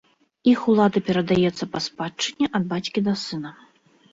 Іх улада перадаецца па спадчыне ад бацькі да сына.